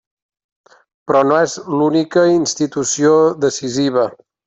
Però no és l'única institució decisiva.